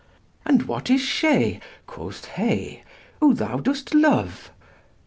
And what is she (quoth he) who thou dos't loue ?